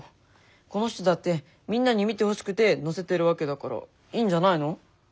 この人だってみんなに見てほしくて載せてるわけだからいいんじゃないの？